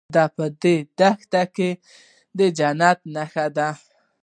دا په دښته کې د جنت نښه ده.